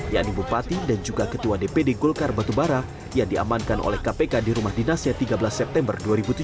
yakni bupati dan juga ketua dpd golkar batubara yang diamankan oleh kpk di rumah dinasnya tiga belas september dua ribu tujuh belas